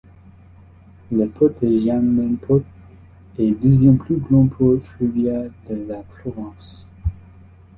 Le port de Jiangmen Port est deuxième plus grand port fluvial de la province.